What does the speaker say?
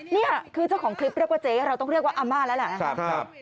เนี่ยคือเจ้าของคลิปเรียกว่าเจ๊เราต้องเรียกว่าอาม่าละครับ